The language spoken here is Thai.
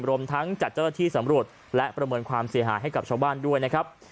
รวมทั้งจัดเจ้าหน้าที่สำรวจและประเมินความเสียหายให้กับชาวบ้านด้วยนะครับ